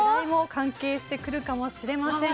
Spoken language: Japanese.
関係してくるかもしれません。